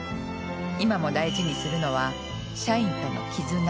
今も大事にするのは社員との絆。